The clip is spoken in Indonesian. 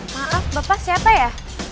maaf bapak siapa ya